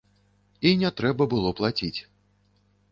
І не трэба было плаціць.